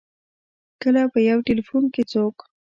لکه په یو ټیلفون چې څوک.